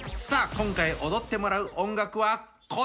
今回おどってもらう音楽はこちら。